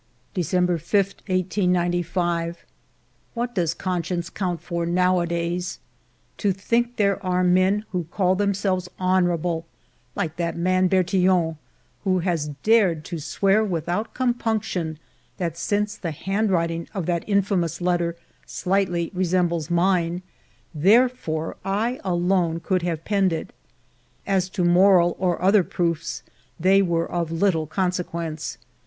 December 5, 1895. What does conscience count for nowadays ? To think there are men who call themselves honorable, like that man Bertillon, who has dared to swear without compunction that since the handwriting of that infamous letter slightly re sembles mine, therefore I alone could have penned ALFRED DREYFUS i8i it. As to moral or other proofs, they were of little consequence